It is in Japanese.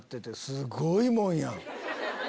すごいもんやん！